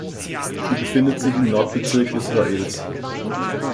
Sie befindet sich im Nordbezirk Israels.